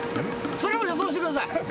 それを予想してください。